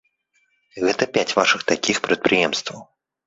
Гэта пяць вашых такіх прадпрыемстваў.